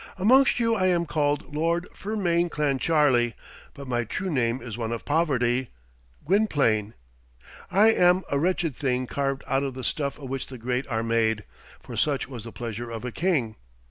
Amongst you I am called Lord Fermain Clancharlie; but my true name is one of poverty Gwynplaine. I am a wretched thing carved out of the stuff of which the great are made, for such was the pleasure of a king.